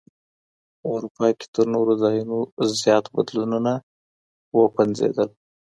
په اروپا کي تر نورو ځايونو زيات بدلونونه وپنځېدل.